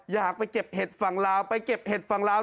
อยากไปเก็บเห็ดฝั่งลาวไปเก็บเห็ดฝั่งลาว